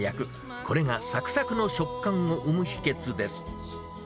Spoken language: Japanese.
これがさくさくの食感を生む秘けつです。